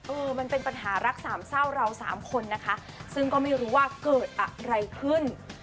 เออมันเป็นปัญหารักสามเศร้าเราสามคนนะคะซึ่งก็ไม่รู้ว่าเกิดอะไรขึ้น